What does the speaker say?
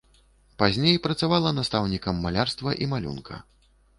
Пазней працавала настаўнікам малярства і малюнка.